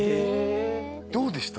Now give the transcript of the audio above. どうでした？